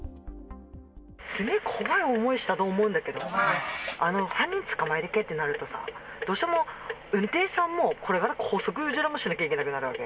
すごい怖い思いしたと思うんだけど、犯人捕まえてってなるとさ、どうしても運転手さんも、これから拘束、うちらもしなきゃいけなくなるわけ。